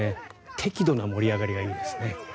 適度な盛り上がりがいいですね。